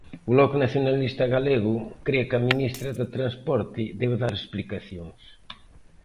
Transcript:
O Bloque nacionalista galego cre que a ministra de Transporte debe dar explicacións.